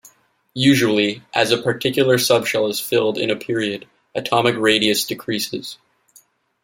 Usually, as a particular subshell is filled in a period, atomic radius decreases.